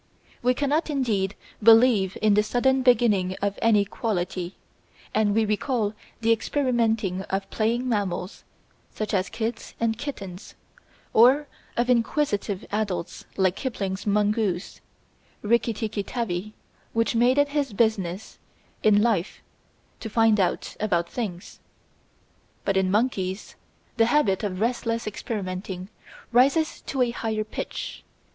We cannot, indeed, believe in the sudden beginning of any quality, and we recall the experimenting of playing mammals, such as kids and kittens, or of inquisitive adults like Kipling's mongoose, Riki Tiki Tavi, which made it his business in life to find out about things. But in monkeys the habit of restless experimenting rises to a higher pitch.